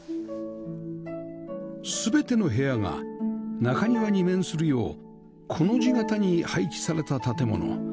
全ての部屋が中庭に面するようコの字形に配置された建物